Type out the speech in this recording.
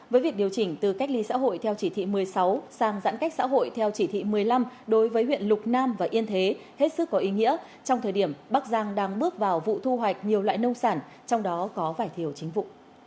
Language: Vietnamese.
với việc điều chỉnh từ cách ly xã hội theo chỉ thị một mươi sáu sang giãn cách xã hội theo chỉ thị một mươi năm đối với huyện lục nam và yên thế hết sức có ý nghĩa trong thời điểm bắc giang đang bước vào vụ thu hoạch nhiều loại nông sản trong đó có vải thiều chính vụ